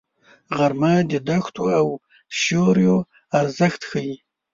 غرمه د دښتو او سیوریو ارزښت ښيي